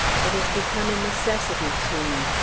It has become a necessity to me.